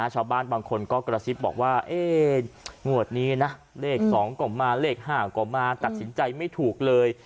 ชาวบ้านบางคนก็กระซิบบอกว่างวดนี้นะเลข๒ก็มาเลข๕ก็มาตัดสินใจไม่ถูกเลย